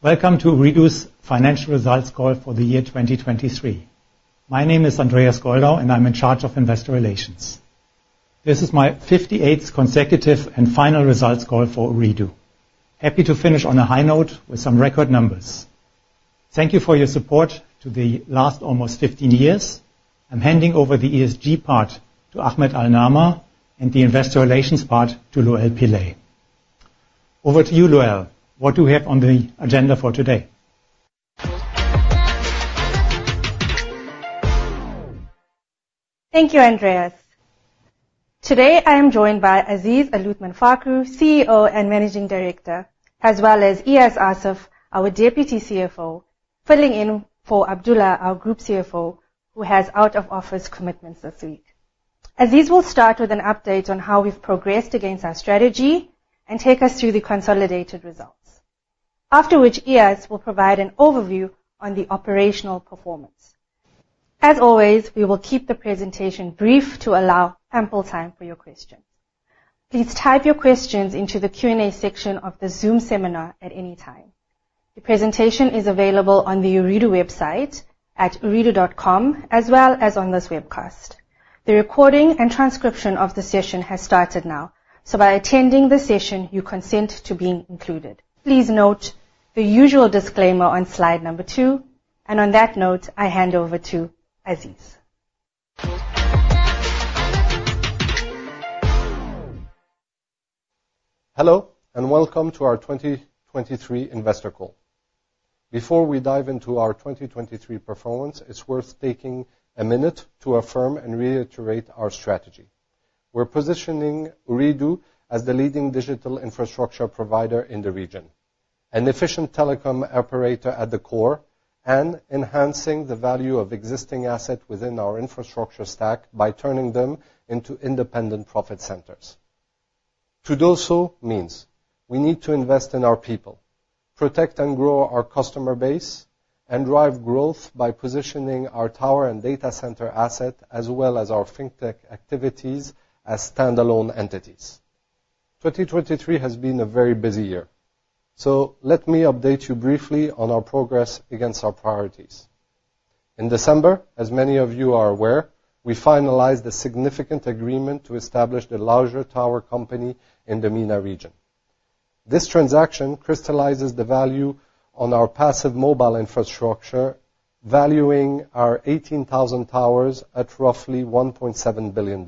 Welcome to Ooredoo's Financial Results Call for the year 2023. My name is Andreas Goldau, and I'm in charge of investor relations. This is my 58th consecutive and final results call for Ooredoo. Happy to finish on a high note with some record numbers. Thank you for your support to the last almost 15 years. I'm handing over the ESG part to Ahmed Al Neama and the investor relations part to Luelle Pillay. Over to you, Luelle. What do we have on the agenda for today? Thank you, Andreas. Today I am joined by Aziz Aluthman Fakhroo, CEO and Managing Director, as well as Eyas Assaf, our Deputy CFO, filling in for Abdullah, our Group CFO, who has out-of-office commitments this week. Aziz will start with an update on how we've progressed against our strategy and take us through the consolidated results, after which Eyas will provide an overview on the operational performance. As always, we will keep the presentation brief to allow ample time for your questions. Please type your questions into the Q&A section of the Zoom seminar at any time. The presentation is available on the Ooredoo website at ooredoo.com as well as on this webcast. The recording and transcription of the session has started now, so by attending the session, you consent to being included. Please note the usual disclaimer on slide number two. On that note, I hand over to Aziz. Hello and welcome to our 2023 Investor Call. Before we dive into our 2023 performance, it's worth taking a minute to affirm and reiterate our strategy. We're positioning Ooredoo as the leading digital infrastructure provider in the region, an efficient telecom operator at the core, and enhancing the value of existing assets within our infrastructure stack by turning them into independent profit centers. To do so means we need to invest in our people, protect and grow our customer base, and drive growth by positioning our tower and data center asset as well as our fintech activities as standalone entities. 2023 has been a very busy year. So let me update you briefly on our progress against our priorities. In December, as many of you are aware, we finalized a significant agreement to establish the larger tower company in the MENA region. This transaction crystallizes the value on our passive mobile infrastructure, valuing our 18,000 towers at roughly $1.7 billion.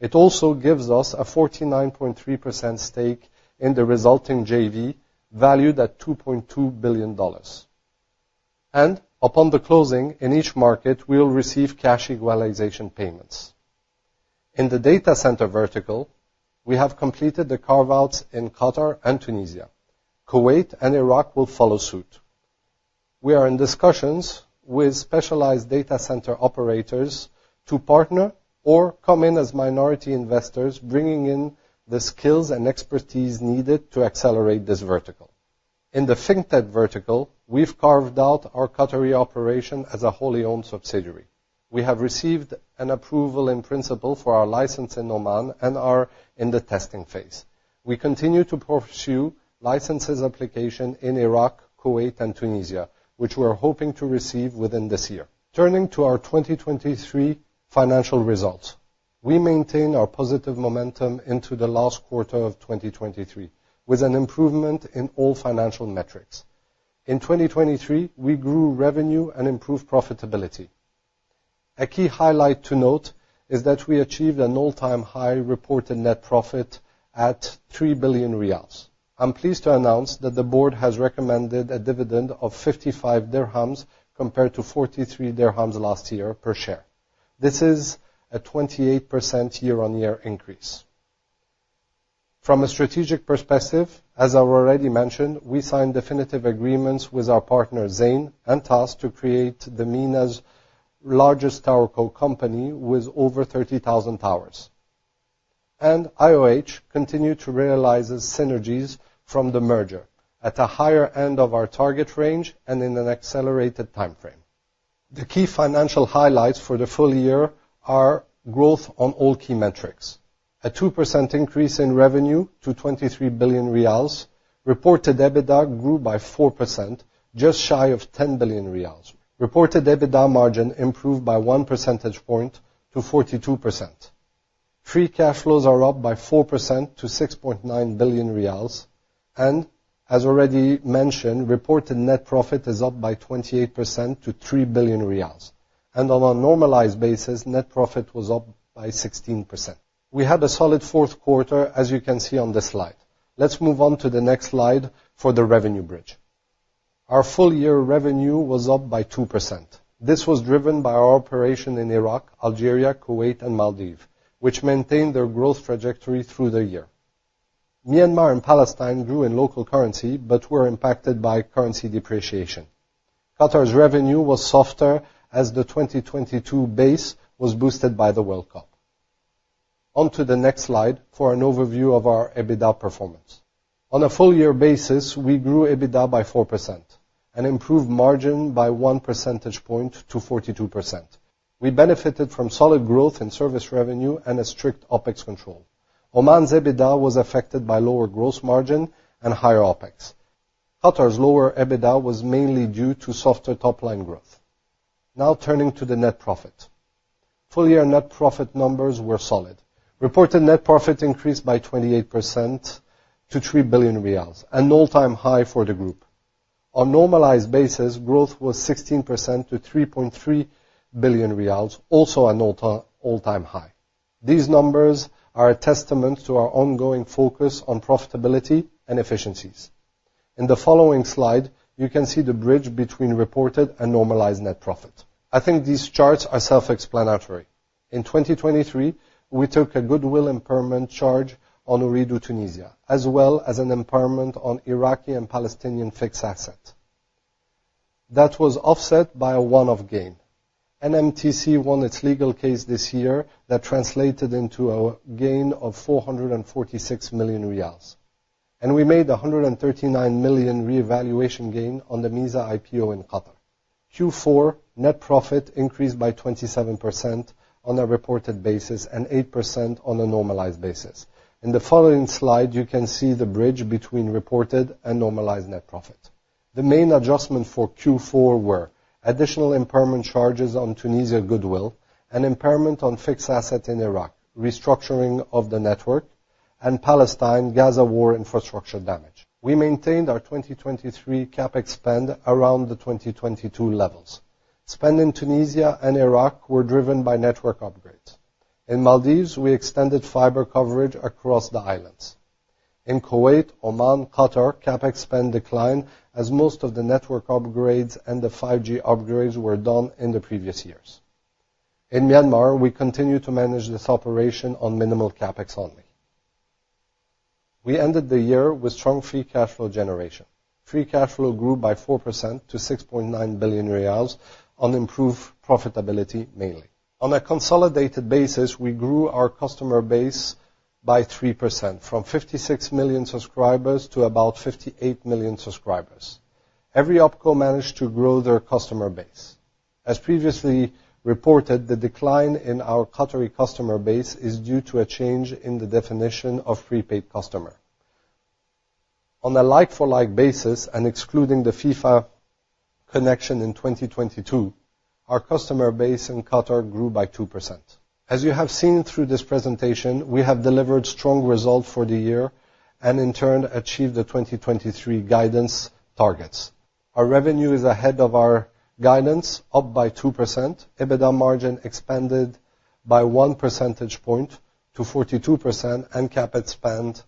It also gives us a 49.3% stake in the resulting JV valued at $2.2 billion. Upon the closing, in each market, we'll receive cash equalization payments. In the data center vertical, we have completed the carve-outs in Qatar and Tunisia. Kuwait and Iraq will follow suit. We are in discussions with specialized data center operators to partner or come in as minority investors, bringing in the skills and expertise needed to accelerate this vertical. In the fintech vertical, we've carved out our Qatari operation as a wholly-owned subsidiary. We have received an approval in principle for our license in Oman and are in the testing phase. We continue to pursue license applications in Iraq, Kuwait, and Tunisia, which we're hoping to receive within this year. Turning to our 2023 financial results. We maintain our positive momentum into the last quarter of 2023 with an improvement in all financial metrics. In 2023, we grew revenue and improved profitability. A key highlight to note is that we achieved an all-time high reported net profit at 3 billion riyals. I'm pleased to announce that the board has recommended a dividend of QAR 55 compared to QAR 43 last year per share. This is a 28% year-on-year increase. From a strategic perspective, as I've already mentioned, we signed definitive agreements with our partner Zain and TASC to create the MENA's largest telco company with over 30,000 towers. IOH continues to realize synergies from the merger at a higher end of our target range and in an accelerated time frame. The key financial highlights for the full year are growth on all key metrics: a 2% increase in revenue to 23 billion riyals, reported EBITDA grew by 4%, just shy of 10 billion riyals, reported EBITDA margin improved by 1 percentage point to 42%, free cash flows are up by 4% to 6.9 billion riyals, and, as already mentioned, reported net profit is up by 28% to 3 billion riyals. On a normalized basis, net profit was up by 16%. We had a solid Q4, as you can see on this slide. Let's move on to the next slide for the revenue bridge. Our full-year revenue was up by 2%. This was driven by our operation in Iraq, Algeria, Kuwait, and Maldives, which maintained their growth trajectory through the year. Myanmar and Palestine grew in local currency but were impacted by currency depreciation. Qatar's revenue was softer as the 2022 base was boosted by the World Cup. Onto the next slide for an overview of our EBITDA performance. On a full-year basis, we grew EBITDA by 4%, an improved margin by 1 percentage point to 42%. We benefited from solid growth in service revenue and a strict OPEX control. Oman's EBITDA was affected by lower gross margin and higher OPEX. Qatar's lower EBITDA was mainly due to softer top-line growth. Now turning to the net profit. Full-year net profit numbers were solid. Reported net profit increased by 28% to 3 billion riyals, an all-time high for the group. On normalized basis, growth was 16% to 3.3 billion riyals, also an all-time high. These numbers are a testament to our ongoing focus on profitability and efficiencies. In the following slide, you can see the bridge between reported and normalized net profit. I think these charts are self-explanatory. In 2023, we took a goodwill impairment charge on Ooredoo Tunisia as well as an impairment on Iraqi and Palestinian fixed assets. That was offset by a one-off gain. NMTC won its legal case this year that translated into a gain of 446 million riyals. We made a 139 million revaluation gain on the MEEZA IPO in Qatar. Q4 net profit increased by 27% on a reported basis and 8% on a normalized basis. In the following slide, you can see the bridge between reported and normalized net profit. The main adjustments for Q4 were additional impairment charges on Tunisia goodwill, an impairment on fixed assets in Iraq, restructuring of the network, and Palestine-Gaza war infrastructure damage. We maintained our 2023 Capex spend around the 2022 levels. Spend in Tunisia and Iraq were driven by network upgrades. In Maldives, we extended fiber coverage across the islands. In Kuwait, Oman, Qatar, Capex spend declined as most of the network upgrades and the 5G upgrades were done in the previous years. In Myanmar, we continue to manage this operation on minimal Capex only. We ended the year with strong free cash flow generation. Free cash flow grew by 4% to 6.9 billion riyals on improved profitability mainly. On a consolidated basis, we grew our customer base by 3% from 56 million subscribers to about 58 million subscribers. Every opco managed to grow their customer base. As previously reported, the decline in our Qatari customer base is due to a change in the definition of prepaid customer. On a like-for-like basis and excluding the FIFA connection in 2022, our customer base in Qatar grew by 2%. As you have seen through this presentation, we have delivered strong results for the year and, in turn, achieved the 2023 guidance targets. Our revenue is ahead of our guidance, up by 2%, EBITDA margin expanded by 1 percentage point to 42%, and Capex spend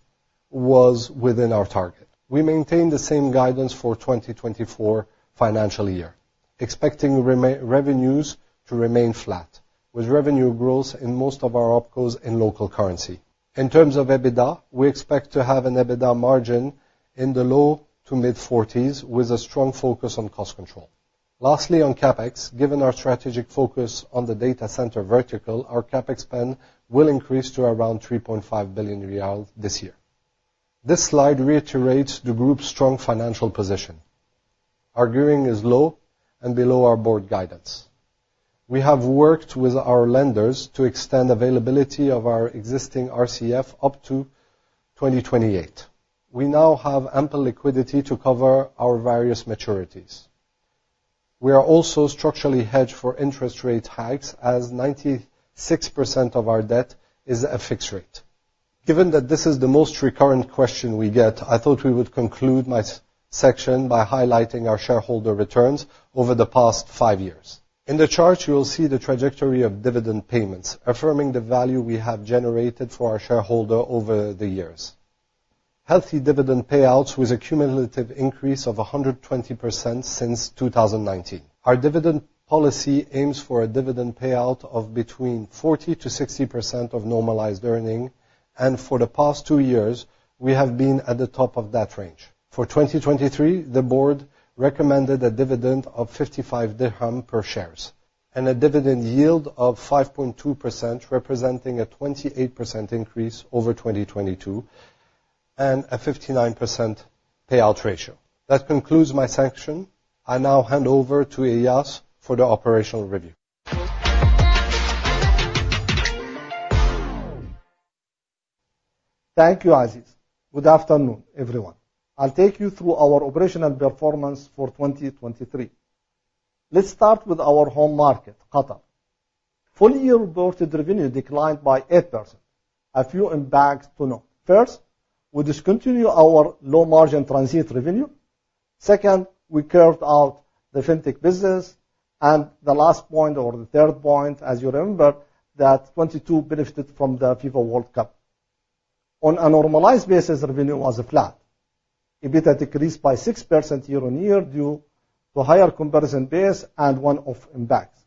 was within our target. We maintain the same guidance for 2024 financial year, expecting revenues to remain flat with revenue growth in most of our opcos in local currency. In terms of EBITDA, we expect to have an EBITDA margin in the low to mid-40s% with a strong focus on cost control. Lastly, on Capex, given our strategic focus on the data center vertical, our Capex spend will increase to around 3.5 billion riyal this year. This slide reiterates the group's strong financial position, leverage is low and below our board guidance. We have worked with our lenders to extend availability of our existing RCF up to 2028. We now have ample liquidity to cover our various maturities. We are also structurally hedged for interest rate hikes as 96% of our debt is a fixed rate. Given that this is the most recurrent question we get, I thought we would conclude my section by highlighting our shareholder returns over the past five years. In the chart, you'll see the trajectory of dividend payments, affirming the value we have generated for our shareholder over the years. Healthy dividend payouts with a cumulative increase of 120% since 2019. Our dividend policy aims for a dividend payout of between 40%-60% of normalized earnings. For the past two years, we have been at the top of that range. For 2023, the board recommended a dividend of 55 dirhams per share and a dividend yield of 5.2%, representing a 28% increase over 2022 and a 59% payout ratio. That concludes my section. I now hand over to Eyas for the operational review. Thank you, Aziz. Good afternoon, everyone. I'll take you through our operational performance for 2023. Let's start with our home market, Qatar. Full-year reported revenue declined by 8%. A few impacts to note. First, we discontinued our low-margin transit revenue. Second, we carved out the fintech business. And the last point or the third point, as you remember, that 2022 benefited from the FIFA World Cup. On a normalized basis, revenue was flat. EBITDA decreased by 6% year-on-year due to higher comparison base and one-off impacts.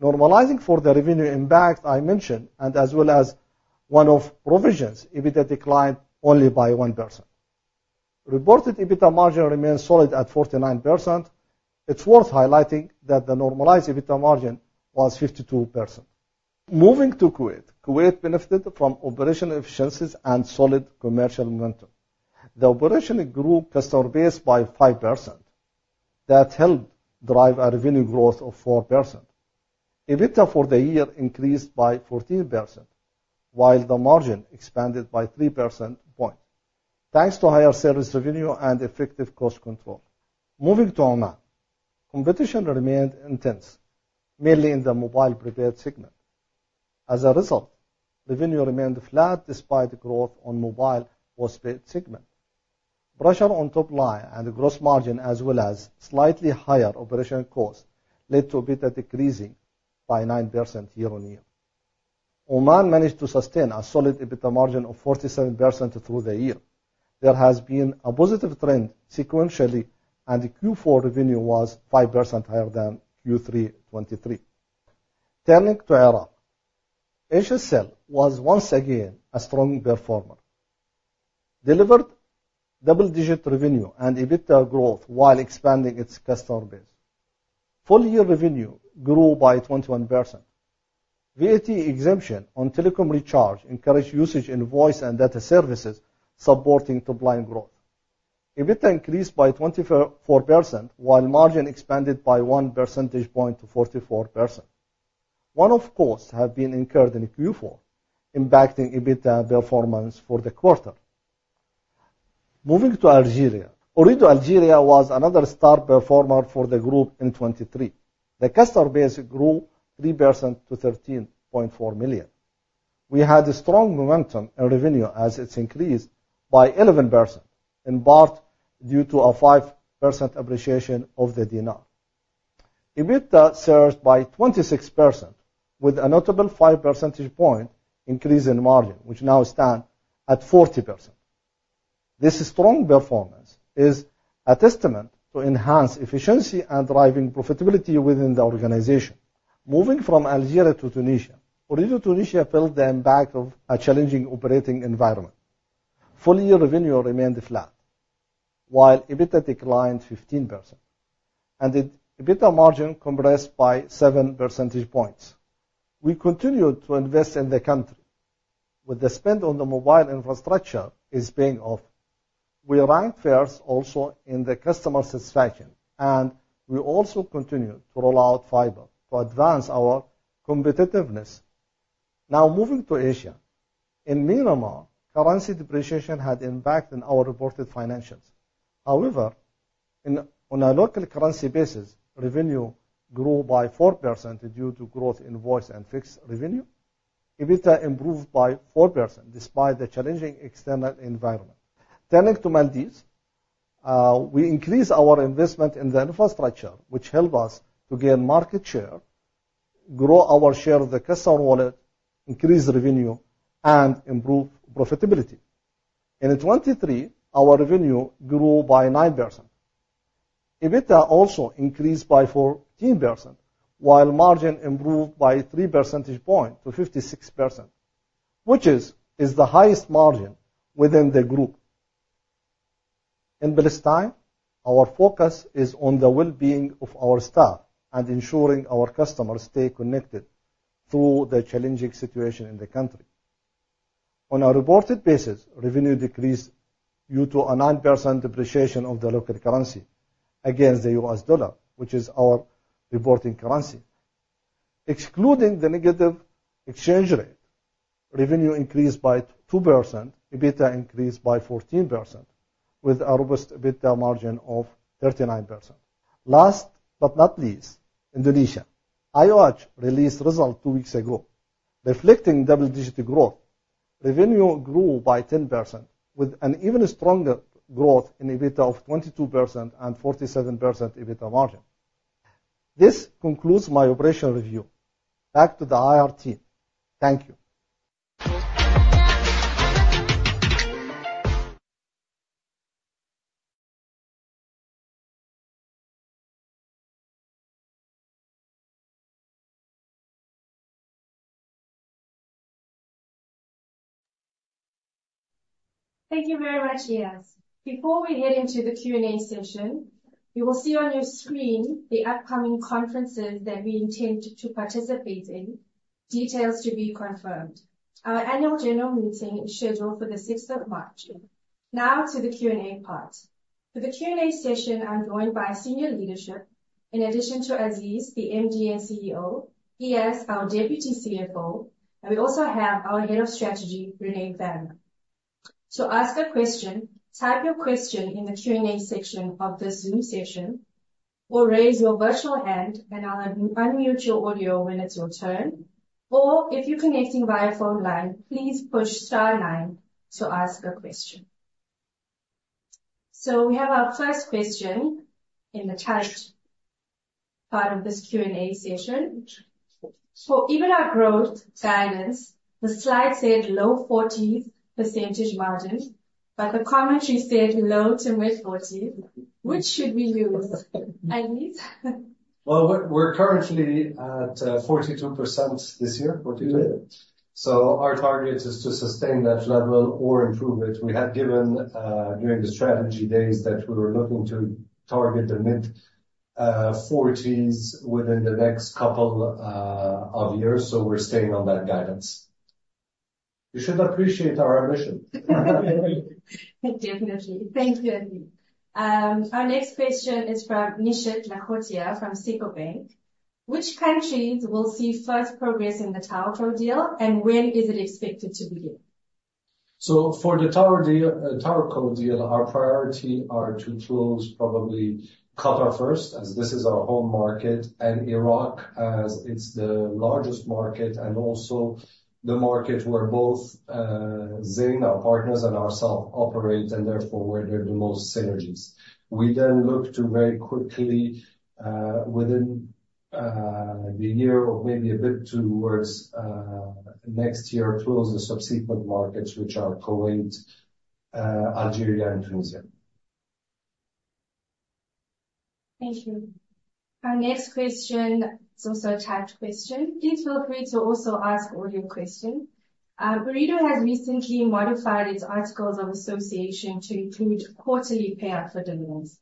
Normalizing for the revenue impacts I mentioned and as well as one-off provisions, EBITDA declined only by 1%. Reported EBITDA margin remained solid at 49%. It's worth highlighting that the normalized EBITDA margin was 52%. Moving to Kuwait, Kuwait benefited from operational efficiencies and solid commercial momentum. The operation grew customer base by 5%. That helped drive a revenue growth of 4%. EBITDA for the year increased by 14%, while the margin expanded by 3 percentage points thanks to higher service revenue and effective cost control. Moving to Oman, competition remained intense, mainly in the mobile prepaid segment. As a result, revenue remained flat despite growth on mobile postpaid segment. Pressure on top-line and gross margin, as well as slightly higher operational costs, led to EBITDA decreasing by 9% year-on-year. Oman managed to sustain a solid EBITDA margin of 47% through the year. There has been a positive trend sequentially, and Q4 revenue was 5% higher than Q3 2023. Turning to Iraq. Asiacell was once again a strong performer, delivered double-digit revenue and EBITDA growth while expanding its customer base. Full-year revenue grew by 21%. VAT exemption on telecom recharge encouraged usage in voice and data services, supporting top-line growth. EBITDA increased by 24% while margin expanded by one percentage point to 44%. One-off costs have been incurred in Q4, impacting EBITDA performance for the quarter. Moving to Algeria. Ooredoo Algeria was another star performer for the group in 2023. The customer base grew 3% to 13.4 million. We had strong momentum in revenue as it increased by 11%, in part due to a 5% appreciation of the dinar. EBITDA surged by 26% with a notable five percentage point increase in margin, which now stands at 40%. This strong performance is a testament to enhanced efficiency and driving profitability within the organization. Moving from Algeria to Tunisia. Ooredoo Tunisia felt the impact of a challenging operating environment. Full-year revenue remained flat while EBITDA declined 15%, and the EBITDA margin compressed by seven percentage points. We continued to invest in the country, with the spend on the mobile infrastructure being off. We ranked first also in the customer satisfaction, and we also continued to roll out fiber to advance our competitiveness. Now moving to Asia. In Myanmar, currency depreciation had impacted our reported financials. However, on a local currency basis, revenue grew by 4% due to growth in voice and fixed revenue. EBITDA improved by 4% despite the challenging external environment. Turning to Maldives, we increased our investment in the infrastructure, which helped us to gain market share, grow our share of the customer wallet, increase revenue, and improve profitability. In 2023, our revenue grew by 9%. EBITDA also increased by 14%, while margin improved by 3 percentage points to 56%, which is the highest margin within the group. In Palestine, our focus is on the well-being of our staff and ensuring our customers stay connected through the challenging situation in the country. On a reported basis, revenue decreased due to a 9% depreciation of the local currency against the US dollar, which is our reporting currency. Excluding the negative exchange rate, revenue increased by 2%, EBITDA increased by 14%, with a robust EBITDA margin of 39%. Last but not least, Indonesia. IOH released results two weeks ago. Reflecting double-digit growth, revenue grew by 10% with an even stronger growth in EBITDA of 22% and 47% EBITDA margin. This concludes my operational review. Back to the IR team. Thank you. Thank you very much, Eyas. Before we head into the Q&A session, you will see on your screen the upcoming conferences that we intend to participate in, details to be confirmed. Our annual general meeting is scheduled for the 6th of March. Now to the Q&A part. For the Q&A session, I'm joined by senior leadership, in addition to Aziz, the MD and CEO, Eyas, our Deputy CFO, and we also have our Head of Strategy, Rene Werner. To ask a question, type your question in the Q&A section of this Zoom session, or raise your virtual hand, and I'll unmute your audio when it's your turn. Or if you're connecting via phone line, please push star nine to ask a question. We have our first question in the typed part of this Q&A session. For EBITDA growth guidance, the slide said low 40s % margin, but the commentary said low to mid-40s. Which should we use, Aziz? Well, we're currently at 42% this year, 42. So our target is to sustain that level or improve it. We had given during the Strategy Days that we were looking to target the mid-40s within the next couple of years. So we're staying on that guidance. You should appreciate our ambition. Definitely. Thank you, Aziz. Our next question is from Nishit Lahotia from SICO Bank. Which countries will see first progress in the TowerCo Deal, and when is it expected to begin? So for the TowerCo Deal, our priority is to close probably Qatar first, as this is our home market, and Iraq as it's the largest market and also the market where both Zain, our partners, and ourselves operate, and therefore where there are the most synergies. We then look to very quickly, within the year or maybe a bit towards next year, close the subsequent markets, which are Kuwait, Algeria, and Tunisia. Thank you. Our next question is also a typed question. Please feel free to also ask all your questions. Ooredoo has recently modified its articles of association to include quarterly payout for dividends.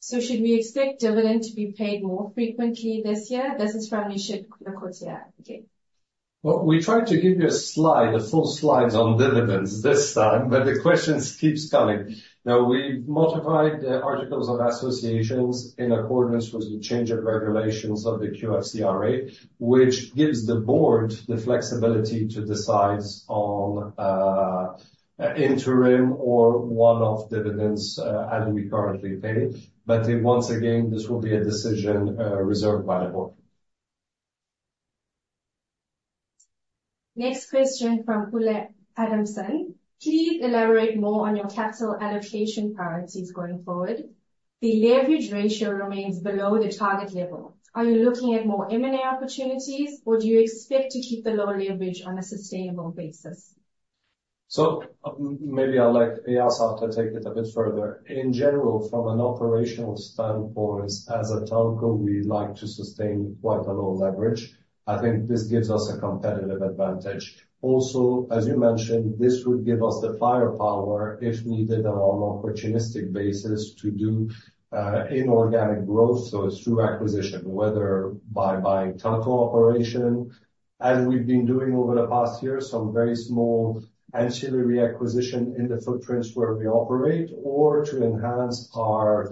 So should we expect dividend to be paid more frequently this year? This is from Nishit Lahotia again. Well, we tried to give you a slide, a full slide on dividends this time, but the questions keep coming. Now, we've modified the articles of association in accordance with the change of regulations of the QFCRA, which gives the board the flexibility to decide on interim or one-off dividends as we currently pay. But once again, this will be a decision reserved by the board. Next question from Kuran Adamson. Please elaborate more on your capital allocation priorities going forward. The leverage ratio remains below the target level. Are you looking at more M&A opportunities, or do you expect to keep the low leverage on a sustainable basis? So maybe I'll let Eyas out to take it a bit further. In general, from an operational standpoint, as a telco, we like to sustain quite a low leverage. I think this gives us a competitive advantage. Also, as you mentioned, this would give us the firepower, if needed, on an opportunistic basis to do inorganic growth. So it's through acquisition, whether by buying telco operation, as we've been doing over the past year, some very small ancillary acquisition in the footprints where we operate, or to enhance our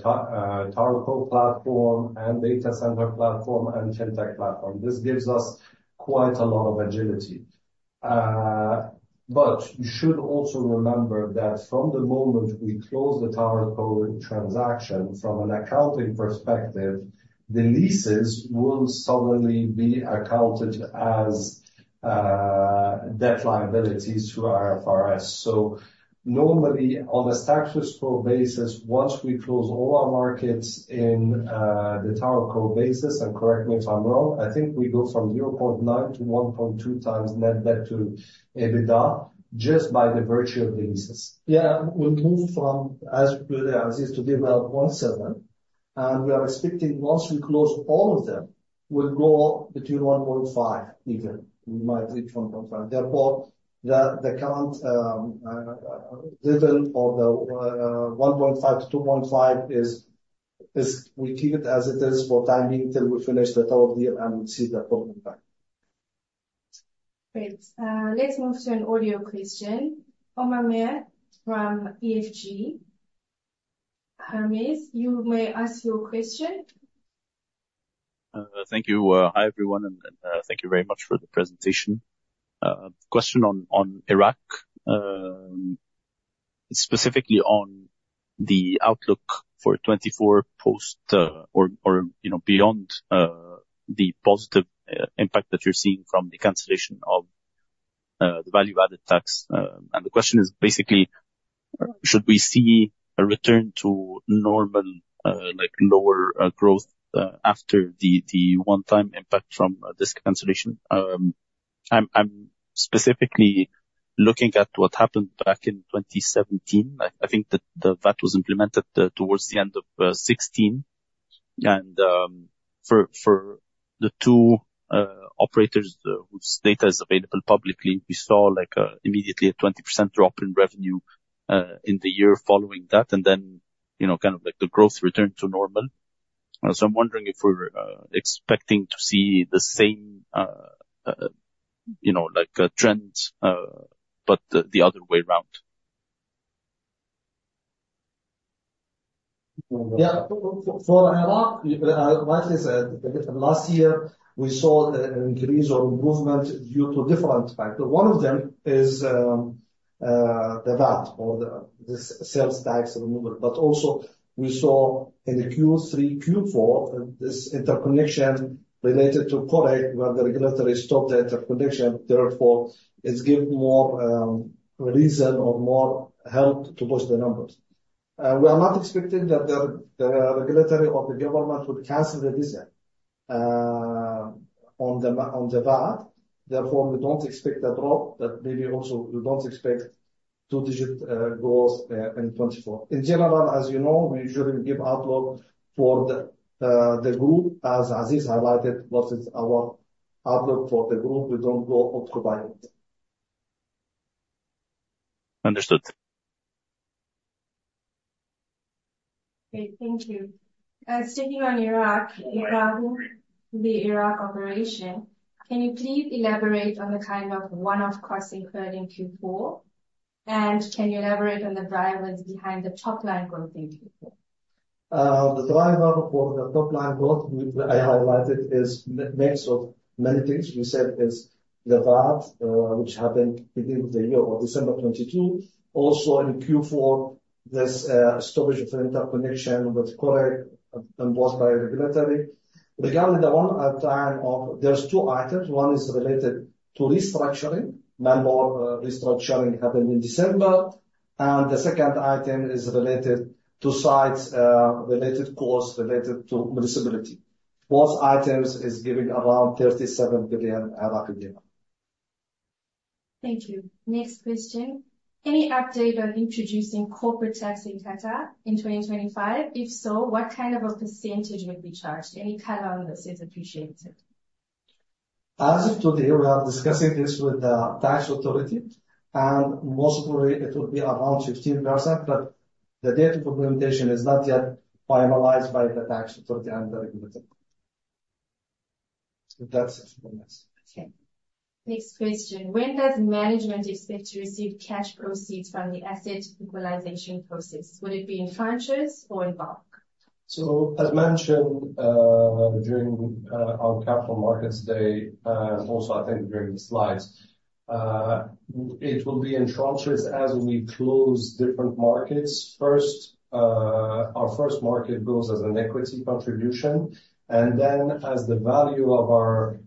telco platform and data center platform and fintech platform. This gives us quite a lot of agility. But you should also remember that from the moment we close the telco transaction, from an accounting perspective, the leases will suddenly be accounted as debt liabilities to our IFRS. So normally, on a status quo basis, once we close all our markets in the telco basis and correct me if I'm wrong, I think we go from 0.9-1.2 times net debt to EBITDA just by the virtue of the leases. Yeah, we'll move from, as Aziz to develop 1.7. And we are expecting, once we close all of them, we'll go between 1.5 even. We might reach 1.5. Therefore, the current dividend of the 1.5-2.5 is we keep it as it is for the time being till we finish the telco deal and see the profit back. Great. Let's move to an audio question. Omar Maher from EFG Hermes, you may ask your question. Thank you. Hi everyone, and thank you very much for the presentation. Question on Iraq, specifically on the outlook for 2024 post or beyond the positive impact that you're seeing from the cancellation of the value-added tax. And the question is basically, should we see a return to normal, lower growth after the one-time impact from this cancellation? I'm specifically looking at what happened back in 2017. I think that the VAT was implemented towards the end of 2016. And for the two operators whose data is available publicly, we saw immediately a 20% drop in revenue in the year following that, and then kind of the growth returned to normal. So I'm wondering if we're expecting to see the same trend but the other way around. Yeah. For Iraq, like I said, last year, we saw an increase or improvement due to different factors. One of them is the VAT or the sales tax removal. But also we saw in Q3, Q4, this interconnection related to Korek where the regulator stopped the interconnection. Therefore, it gave more reason or more help to push the numbers. We are not expecting that the regulator or the government would cancel the decision on the VAT. Therefore, we don't expect a drop, but maybe also we don't expect two-digit growth in 2024. In general, as you know, we usually give outlook for the group. As Aziz highlighted, what is our outlook for the group? We don't go off to buy it. Understood. Great. Thank you. Sticking on Iraq, regarding the Iraq operation, can you please elaborate on the kind of one-off costs incurred in Q4? And can you elaborate on the drivers behind the top-line growth in Q4? The driver for the top-line growth I highlighted is a mix of many things. We said it's the VAT, which happened beginning of the year or December 2022. Also in Q4, this storage of interconnection with Korek and both by regulatory. Regarding the one-off time of there's two items. One is related to restructuring. Member restructuring happened in December. And the second item is related to sites-related costs related to municipality. Both items are giving around IQD 37 billion. Thank you. Next question. Any update on introducing Corporate Tax in Qatar in 2025? If so, what kind of a percentage would be charged? Any cut on this is appreciated. As of today, we are discussing this with the tax authority. Most probably, it would be around 15%, but the date of implementation is not yet finalized by the tax authority and the regulator. That's it for me. Okay. Next question. When does management expect to receive cash proceeds from the asset equalization process? Would it be in tranches or in bulk? So as mentioned during our capital markets day and also, I think, during the slides, it will be in tranches as we close different markets. Our first market goes as an equity contribution. And then as the value of our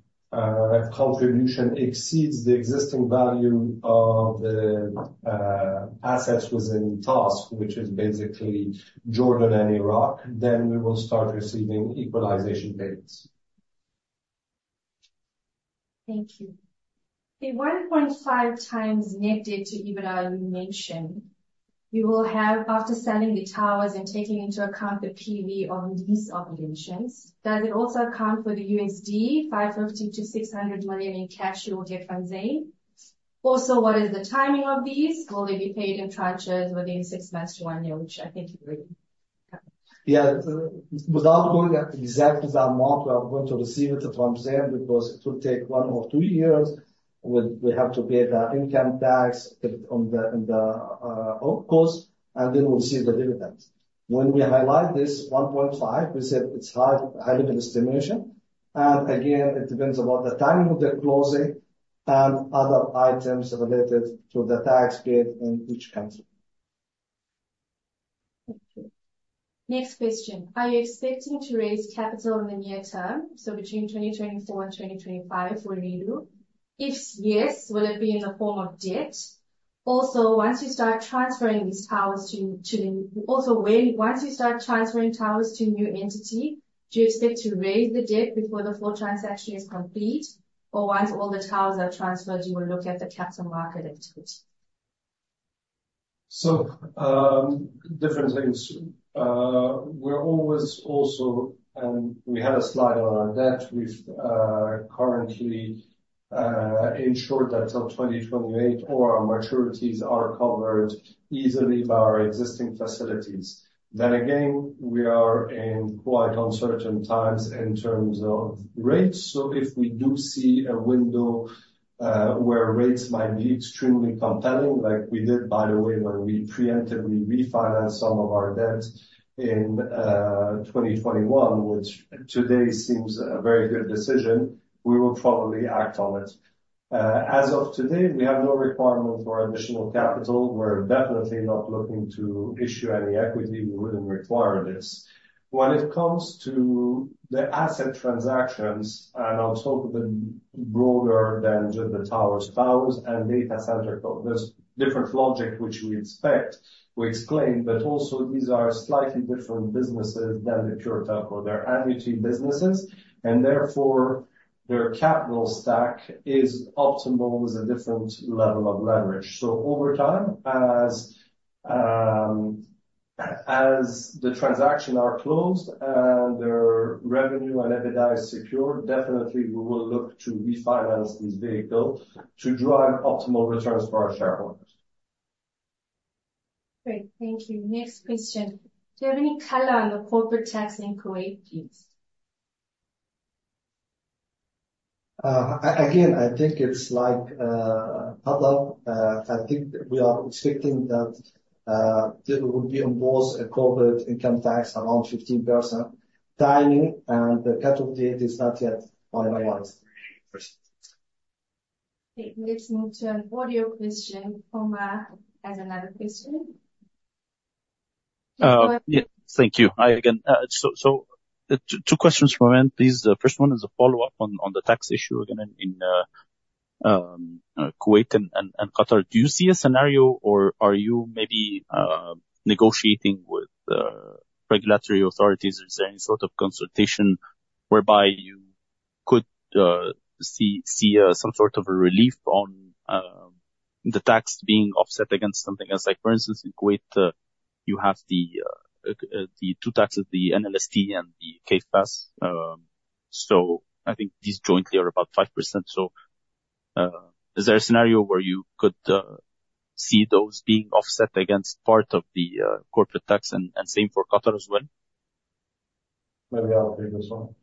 contribution exceeds the existing value of the assets within TASC, which is basically Jordan and Iraq, then we will start receiving equalization payments. Thank you. The 1.5 times netted to EBITDA you mentioned, you will have after selling the towers and taking into account the PV of these operations, does it also account for the $550 million-$600 million in cash you will get from Zain? Also, what is the timing of these? Will they be paid in tranches within six months to one year, which I think you already covered? Yeah. Without going exactly to the amount, we are going to receive it from Zain because it will take 1 or 2 years. We have to pay the income tax on the cost, and then we'll receive the dividend. When we highlight this 1.5, we said it's high-level estimation. And again, it depends about the timing of the closing and other items related to the tax paid in each country. Thank you. Next question. Are you expecting to raise capital in the near term, so between 2024 and 2025, for Ooredoo? If yes, will it be in the form of debt? Also, once you start transferring these towers to a new entity, do you expect to raise the debt before the full transaction is complete, or once all the towers are transferred, you will look at the capital market activity? So, different things. We're always also, and we had a slide on that. We've currently ensured that till 2028, all our maturities are covered easily by our existing facilities. Then again, we are in quite uncertain times in terms of rates. So if we do see a window where rates might be extremely compelling, like we did, by the way, when we preemptively refinanced some of our debt in 2021, which today seems a very good decision, we will probably act on it. As of today, we have no requirement for additional capital. We're definitely not looking to issue any equity. We wouldn't require this. When it comes to the asset transactions, and I'll talk a bit broader than just the towers, towers, and data center co., there's different logic which we expect, we explain. But also, these are slightly different businesses than the pure telco. They're annuity businesses. Therefore, their capital stack is optimal with a different level of leverage. Over time, as the transactions are closed and their revenue and EBITDA is secured, definitely, we will look to refinance this vehicle to drive optimal returns for our shareholders. Great. Thank you. Next question. Do you have any cut on the corporate tax in Kuwait, please? Again, I think it's like cut-off. I think we are expecting that it will be imposed a corporate income tax around 15%. Timing and the cut-off date is not yet finalized. Okay. Let's move to an audio question. Omar has another question. Yeah. Thank you. Again, so two questions for me, please. The first one is a follow-up on the tax issue again in Kuwait and Qatar. Do you see a scenario, or are you maybe negotiating with regulatory authorities? Is there any sort of consultation whereby you could see some sort of a relief on the tax being offset against something else? Like, for instance, in Kuwait, you have the two taxes, the NLST and the KFAS. So I think these jointly are about 5%. So is there a scenario where you could see those being offset against part of the corporate tax and same for Qatar as well? Maybe I'll take this one.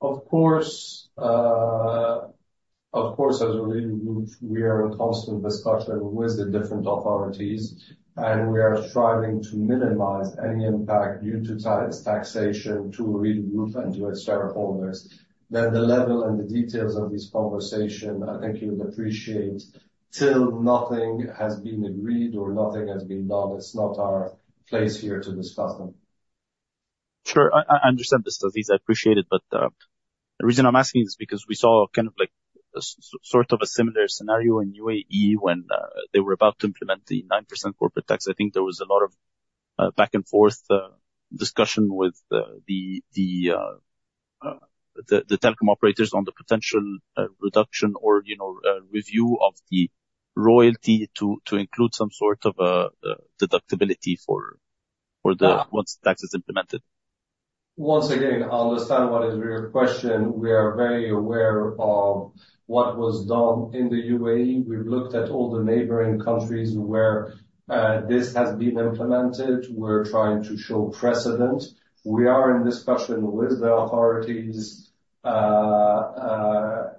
Of course, as Ooredoo Group, we are in constant discussion with the different authorities. We are striving to minimize any impact due to taxation to Ooredoo Group and to its shareholders. The level and the details of this conversation, I think you would appreciate till nothing has been agreed or nothing has been done. It's not our place here to discuss them. Sure. I understand this, Aziz. I appreciate it. But the reason I'm asking is because we saw kind of a sort of a similar scenario in UAE when they were about to implement the 9% corporate tax. I think there was a lot of back-and-forth discussion with the telecom operators on the potential reduction or review of the royalty to include some sort of a deductibility for once the tax is implemented. Once again, I understand what is your question. We are very aware of what was done in the UAE. We've looked at all the neighboring countries where this has been implemented. We're trying to show precedent. We are in discussion with the authorities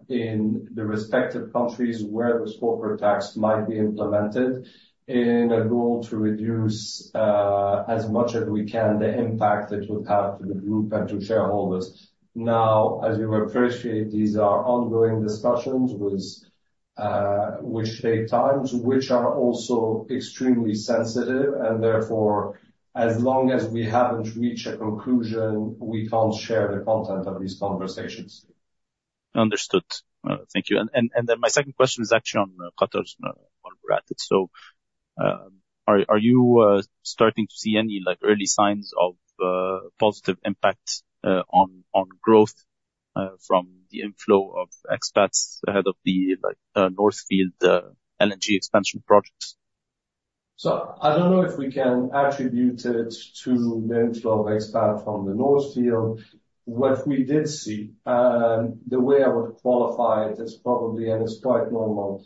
in the respective countries where this corporate tax might be implemented in a goal to reduce as much as we can the impact it would have to the group and to shareholders. Now, as you appreciate, these are ongoing discussions which take time, which are also extremely sensitive. And therefore, as long as we haven't reached a conclusion, we can't share the content of these conversations. Understood. Thank you. And then my second question is actually on Qatar while we're at it. So are you starting to see any early signs of positive impact on growth from the inflow of expats ahead of the North Field LNG expansion projects? So I don't know if we can attribute it to the inflow of expats from the North Field. What we did see, the way I would qualify it is probably, and it's quite normal,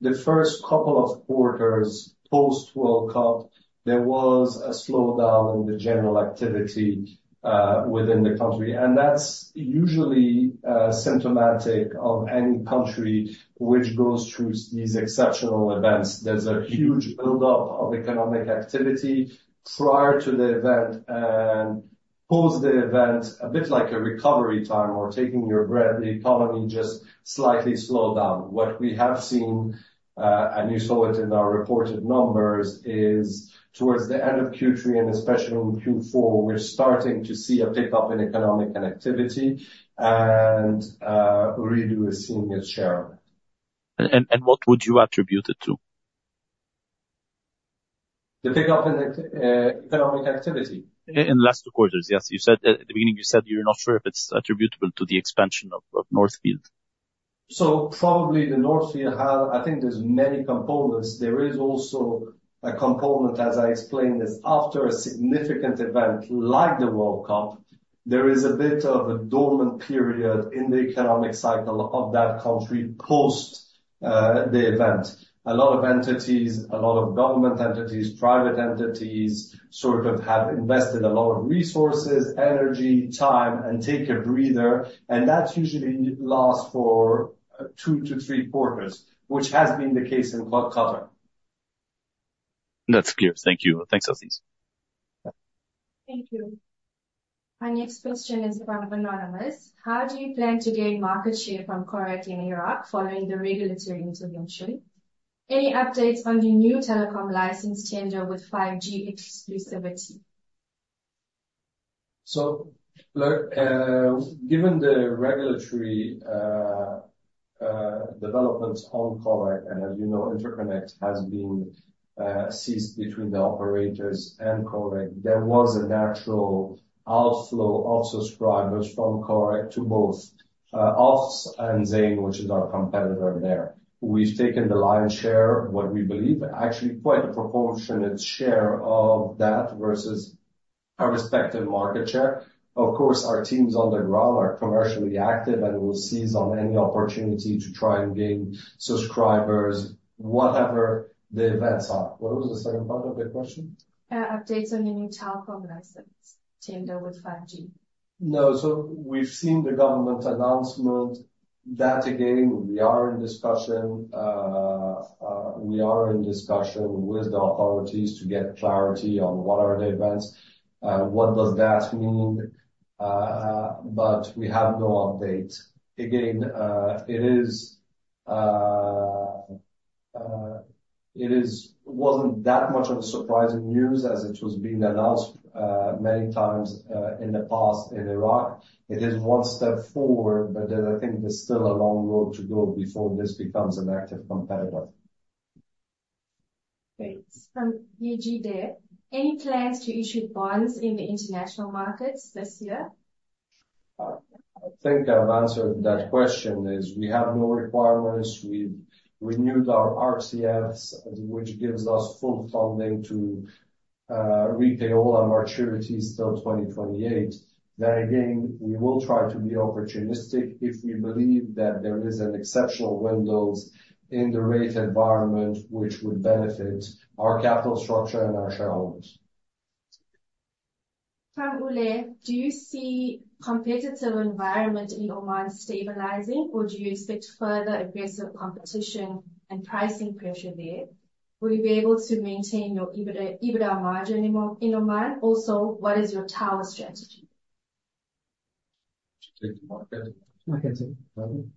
the first couple of quarters post-World Cup, there was a slowdown in the general activity within the country. And that's usually symptomatic of any country which goes through these exceptional events. There's a huge buildup of economic activity prior to the event and post the event, a bit like a recovery time or taking your breath. The economy just slightly slowed down. What we have seen, and you saw it in our reported numbers, is towards the end of Q3 and especially in Q4, we're starting to see a pickup in economic activity. And Ooredoo is seeing its share of it. What would you attribute it to? The pickup in economic activity? In the last two quarters, yes. At the beginning, you said you're not sure if it's attributable to the expansion of North Field. So, probably the North Field have. I think there's many components. There is also a component, as I explained, is after a significant event like the World Cup, there is a bit of a dormant period in the economic cycle of that country post the event. A lot of entities, a lot of government entities, private entities sort of have invested a lot of resources, energy, time, and take a breather. That usually lasts for two to three quarters, which has been the case in Qatar. That's clear. Thank you. Thanks, Aziz. Thank you. Our next question is from anonymous. How do you plan to gain market share from Korek in Iraq following the regulatory intervention? Any updates on the new telecom license tender with 5G exclusivity? So given the regulatory developments on Korek, and as you know, interconnection has been ceased between the operators and Korek, there was a natural outflow of subscribers from Korek to both Asiacell and Zain, which is our competitor there. We've taken the lion's share, what we believe, actually quite a proportionate share of that versus our respective market share. Of course, our teams on the ground are commercially active and will seize on any opportunity to try and gain subscribers, whatever the events are. What was the second part of the question? Updates on the new telecom license tender with 5G? No. So we've seen the government announcement. That, again, we are in discussion. We are in discussion with the authorities to get clarity on what are the events, what does that mean. But we have no update. Again, it wasn't that much of a surprising news as it was being announced many times in the past in Iraq. It is one step forward, but I think there's still a long road to go before this becomes an active competitor. Great. From DGD, any plans to issue bonds in the international markets this year? I think I've answered that question as we have no requirements. We've renewed our RCFs, which gives us full funding to repay all our maturities till 2028. Then again, we will try to be opportunistic if we believe that there is an exceptional window in the rate environment which would benefit our capital structure and our shareholders. From Ulay, do you see competitive environment in Oman stabilizing, or do you expect further aggressive competition and pricing pressure there? Will you be able to maintain your EBITDA margin in Oman? Also, what is your tower strategy? Would you take the market?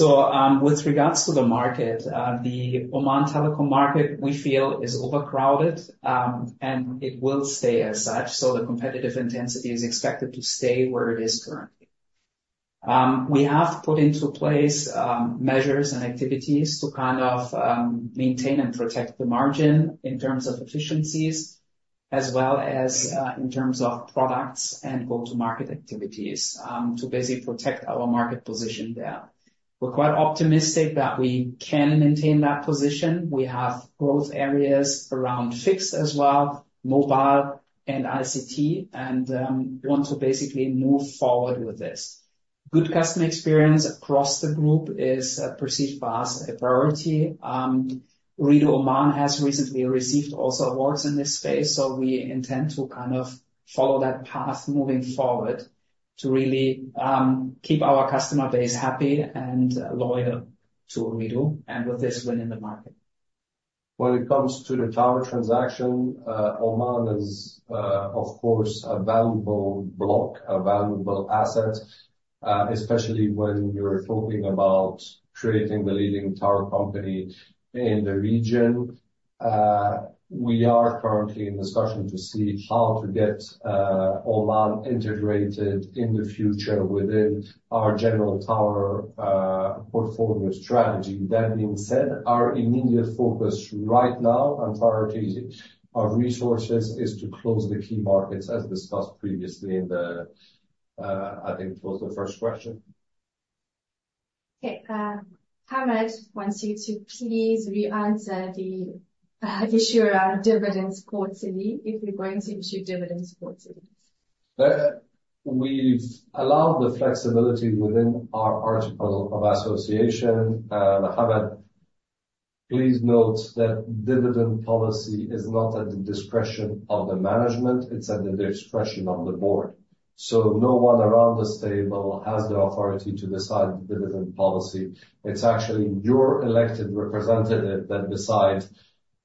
Marketing. Marketing. With regards to the market, the Oman telecom market, we feel, is overcrowded, and it will stay as such. The competitive intensity is expected to stay where it is currently. We have put into place measures and activities to kind of maintain and protect the margin in terms of efficiencies, as well as in terms of products and go-to-market activities to basically protect our market position there. We're quite optimistic that we can maintain that position. We have growth areas around fixed as well, mobile, and ICT, and want to basically move forward with this. Good customer experience across the group is perceived by us as a priority. Ooredoo Oman has recently received also awards in this space. We intend to kind of follow that path moving forward to really keep our customer base happy and loyal to Ooredoo and with this win in the market. When it comes to the tower transaction, Oman is, of course, a valuable block, a valuable asset, especially when you're talking about creating the leading tower company in the region. We are currently in discussion to see how to get Oman integrated in the future within our general tower portfolio strategy. That being said, our immediate focus right now and priority of resources is to close the key markets, as discussed previously in the, I think it was the first question. Okay. Ahmed wants you to please re-answer the issue around dividends quarterly if you're going to issue dividends quarterly. We've allowed the flexibility within our article of association. Hamed, please note that dividend policy is not at the discretion of the management. It's at the discretion of the board. So no one around the table has the authority to decide the dividend policy. It's actually your elected representative that decides,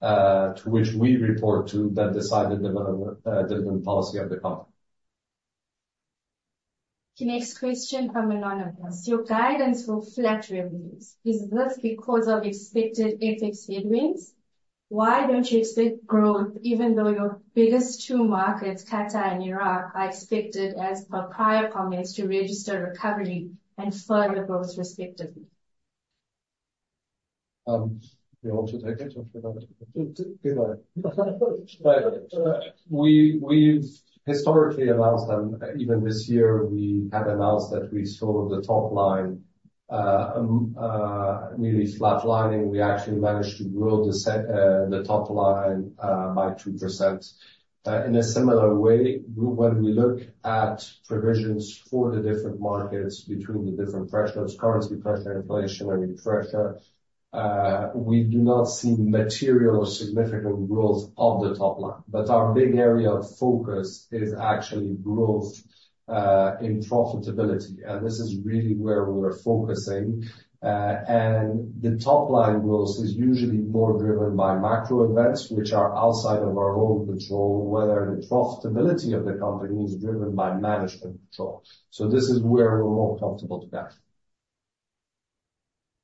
to which we report to, that decides the dividend policy of the company. The next question from Anonymous. Your guidance will flat revenues. Is this because of expected FX headwinds? Why don't you expect growth even though your biggest two markets, Qatar and Iraq, are expected, as per prior comments, to register recovery and further growth, respectively? Do you want to take it or forget it? Neither. We've historically announced them. Even this year, we had announced that we saw the top line nearly flatlining. We actually managed to grow the top line by 2%. In a similar way, when we look at provisions for the different markets between the different pressures, currency pressure, inflationary pressure, we do not see material or significant growth of the top line. But our big area of focus is actually growth in profitability. And this is really where we're focusing. And the top line growth is usually more driven by macro events, which are outside of our own control, whether the profitability of the company is driven by management control. So this is where we're more comfortable to go.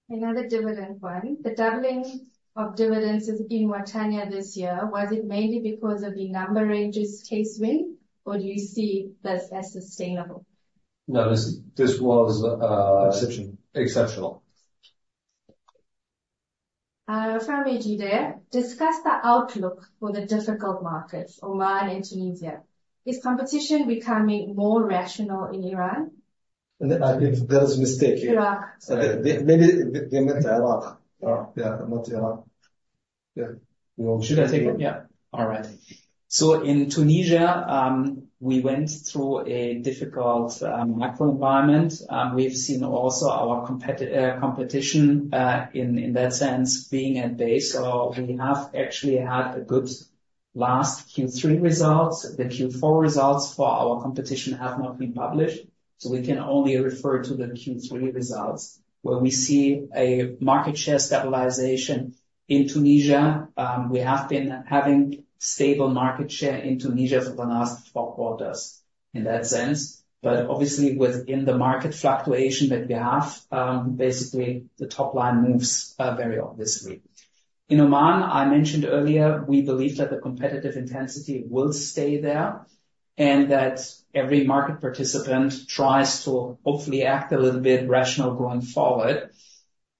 Another dividend one. The doubling of dividends in Wataniya this year, was it mainly because of the number ranges case win, or do you see this as sustainable? No, this was. Exception. Exceptional. From AGD, discuss the outlook for the difficult markets, Oman and Tunisia. Is competition becoming more rational in Iran? I think that is a mistake. Iraq. Maybe they meant Iraq. Yeah, not Iran. Yeah. Should I take it? Yeah. All right. So in Tunisia, we went through a difficult macro environment. We've seen also our competition in that sense being at base. We have actually had a good last Q3 results. The Q4 results for our competition have not been published. We can only refer to the Q3 results where we see a market share stabilization. In Tunisia, we have been having stable market share in Tunisia for the last four quarters in that sense. But obviously, within the market fluctuation that we have, basically, the top line moves very obviously. In Oman, I mentioned earlier, we believe that the competitive intensity will stay there and that every market participant tries to hopefully act a little bit rational going forward.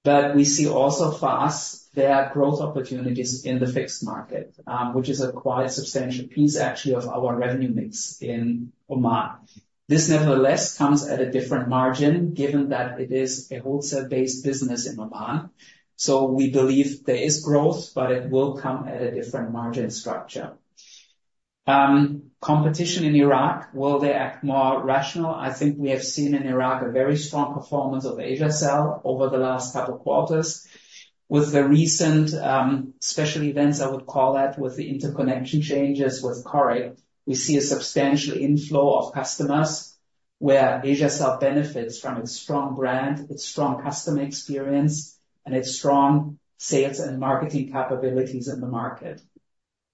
But we see also for us, there are growth opportunities in the fixed market, which is a quite substantial piece, actually, of our revenue mix in Oman. This nevertheless comes at a different margin given that it is a wholesale-based business in Oman. So we believe there is growth, but it will come at a different margin structure. Competition in Iraq, will they act more rational? I think we have seen in Iraq a very strong performance of Asiacell over the last couple of quarters. With the recent special events, I would call that, with the interconnection changes with Korek, we see a substantial inflow of customers where Asiacell benefits from its strong brand, its strong customer experience, and its strong sales and marketing capabilities in the market.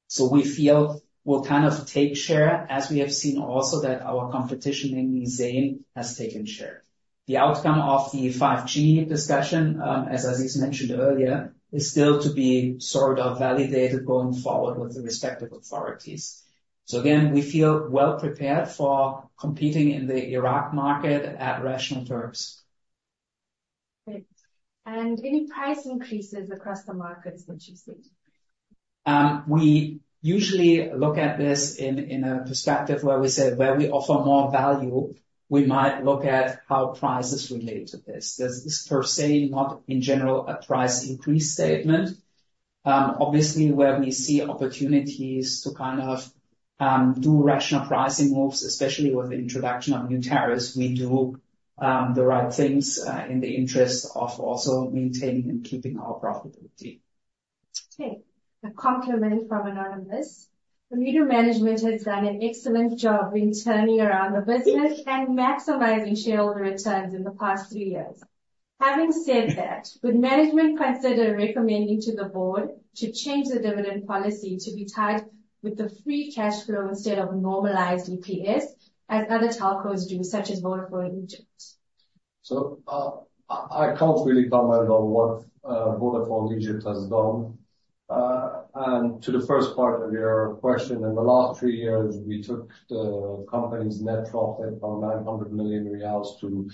So we feel we'll kind of take share as we have seen also that our competition in Zain has taken share. The outcome of the 5G discussion, as Aziz mentioned earlier, is still to be sort of validated going forward with the respective authorities. So again, we feel well prepared for competing in the Iraq market at rational terms. Great. Any price increases across the markets that you've seen? We usually look at this in a perspective where we say where we offer more value, we might look at how price is related to this. This is per se not, in general, a price increase statement. Obviously, where we see opportunities to kind of do rational pricing moves, especially with the introduction of new tariffs, we do the right things in the interest of also maintaining and keeping our profitability. Okay. A compliment from anonymous. Ooredoo management has done an excellent job in turning around the business and maximizing shareholder returns in the past three years. Having said that, would management consider recommending to the board to change the dividend policy to be tied with the free cash flow instead of normalized EPS as other telcos do, such as Vodafone Egypt? I can't really comment on what Vodafone Egypt has done. To the first part of your question, in the last three years, we took the company's net profit from QAR 900 million to,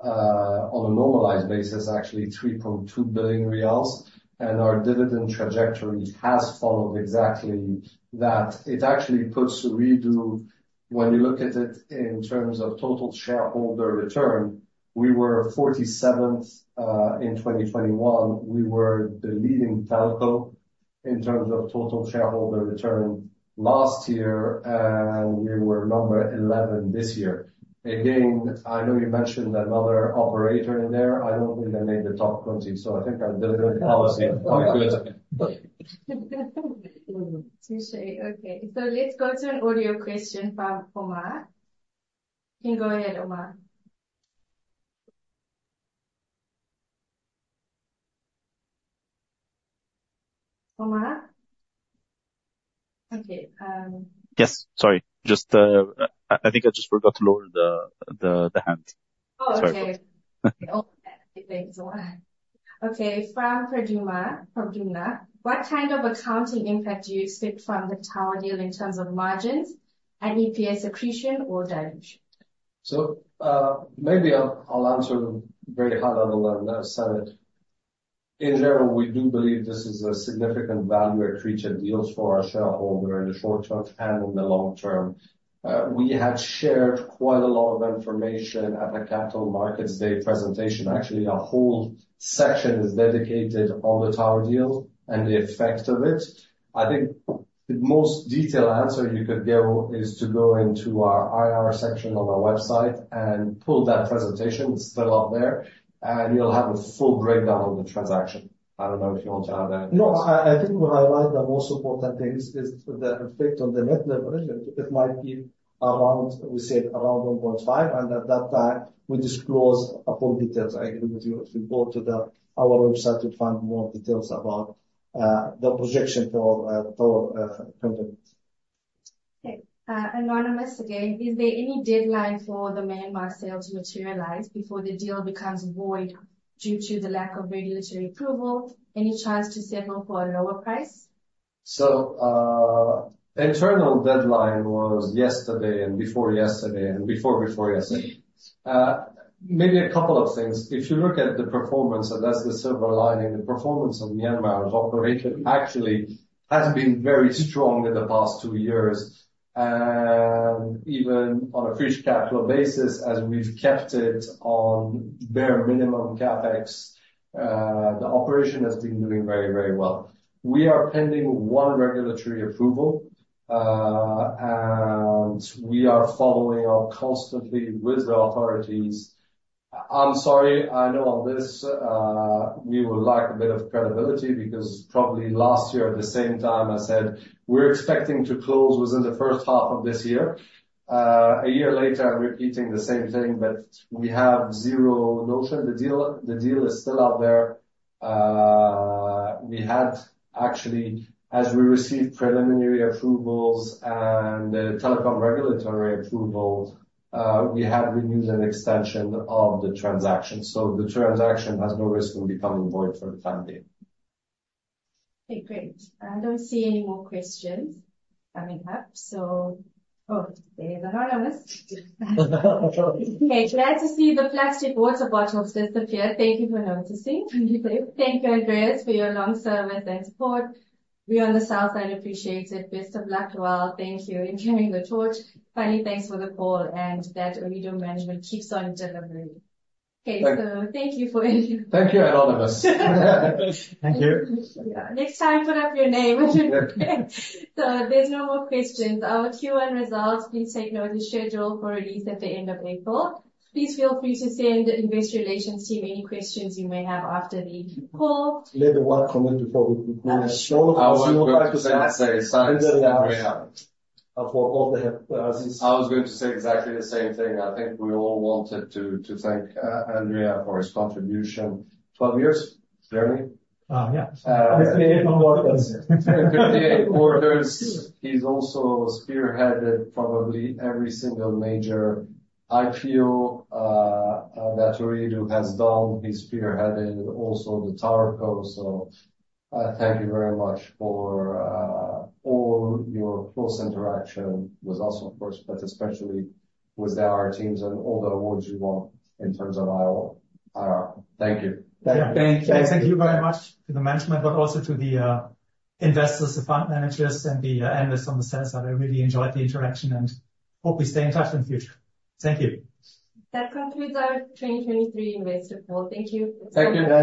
on a normalized basis, actually QAR 3.2 billion. Our dividend trajectory has followed exactly that. It actually puts Ooredoo, when you look at it in terms of total shareholder return, we were 47th in 2021. We were the leading telco in terms of total shareholder return last year, and we were number 11 this year. Again, I know you mentioned another operator in there. I don't think they made the top 20. So I think our dividend policy is quite good. Touché. Okay. So let's go to an audio question from Omar. You can go ahead, Omar. Omar? Okay. Yes. Sorry. I think I just forgot to lower the hand. Sorry. Oh, it's okay. It only had a few things. Okay. From Pradyumna, what kind of accounting impact do you expect from the tower deal in terms of margins and EPS accretion or dilution? So maybe I'll answer very high-level and not cynical. In general, we do believe this is a significant value accretion deal for our shareholder in the short term and in the long term. We had shared quite a lot of information at the Capital Markets Day presentation. Actually, a whole section is dedicated on the tower deal and the effect of it. I think the most detailed answer you could give is to go into our IR section on our website and pull that presentation. It's still up there. And you'll have a full breakdown of the transaction. I don't know if you want to add anything. No, I think what I like, the most important thing is the effect on the net leverage. It might be around, we said, around 1.5. And at that time, we disclose all details. I agree with you. If you go to our website to find more details about the projection for our company. Okay. Anonymous again, is there any deadline for the Myanmar sale to materialize before the deal becomes void due to the lack of regulatory approval? Any chance to settle for a lower price? Internal deadline was yesterday and before yesterday. Maybe a couple of things. If you look at the performance, and that's the silver lining, the performance of Myanmar's operation actually has been very strong in the past two years. And even on a free-to-capital basis, as we've kept it on bare minimum Capex, the operation has been doing very, very well. We are pending one regulatory approval, and we are following up constantly with the authorities. I'm sorry. I know on this, we would like a bit of credibility because probably last year, at the same time, I said we're expecting to close within the first half of this year. A year later, I'm repeating the same thing, but we have zero notion. The deal is still out there. We had actually, as we received preliminary approvals and telecom regulatory approval, we had renewed an extension of the transaction. So the transaction has no risk in becoming void for the time being. Okay. Great. I don't see any more questions coming up. Oh, there's anonymous. Okay. Glad to see the plastic water bottles disappear. Thank you for noticing. Thank you, Andreas, for your long service and support. We on the south side appreciate it. Best of luck, Luelle. Thank you in carrying the torch. Finally, thanks for the call and that Ooredoo management keeps on delivering. Okay. So thank you for. Thank you, anonymous. Thank you. Yeah. Next time, put up your name. So there's no more questions. Our Q&A results, please take note, is scheduled for release at the end of April. Please feel free to send the investor relations team any questions you may have after the call. Leave one comment before we conclude. I was going to say exactly the same thing. I think we all wanted to thank Andreas for his contribution. 12-year journey? Yeah. 58 quarters. He's also spearheaded probably every single major IPO that Ooredoo has done. He's spearheaded also the Tower Co. So thank you very much for all your close interaction with us, of course, but especially with the IR teams and all the awards you want in terms of IR. Thank you. Thank you. Thank you very much to the management, but also to the investors, the fund managers, and the analysts on the sales side. I really enjoyed the interaction and hope we stay in touch in the future. Thank you. That concludes our 2023 investor call. Thank you. Thank you.